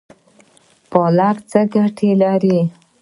پالک څه ګټه لري؟